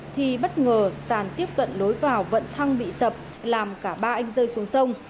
thì bất ngờ sàn tiếp cận lối vào vận thăng bị sập làm cả ba anh rơi xuống sông